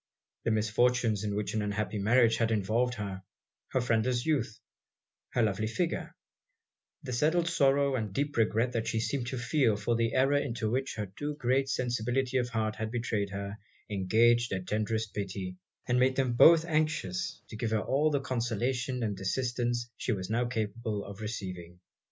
The misfortunes in which an unhappy marriage had involved her, her friendless youth, her lovely figure, the settled sorrow and deep regret that she seemed to feel for the error into which her too great sensibility of heart had betrayed her, engaged their tenderest pity, and made them both anxious to give her all the consolation and assistance she was now capable of receiving.